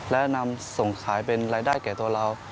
และนำส่งขายเป็นรายได้แก่ตัวเรา